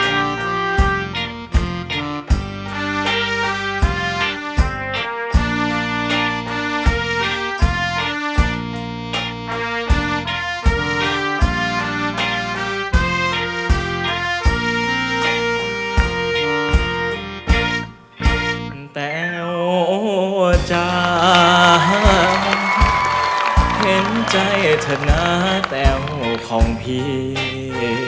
เห็นแตวจานเห็นใจธนาแตวของพี่